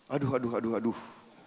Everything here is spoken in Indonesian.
aduh aduh aduh aduh